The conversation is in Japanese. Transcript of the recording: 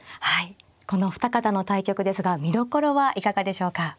はいこのお二方の対局ですが見どころはいかがでしょうか。